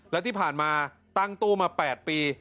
และที่ผ่านมาตั้งตู้มา๘ปี